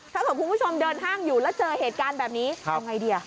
ถ้าเกิดคุณผู้ชมเดินห้างอยู่แล้วเจอเหตุการณ์แบบนี้ทำไงดี